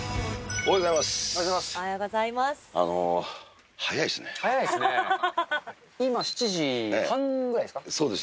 おはようございます。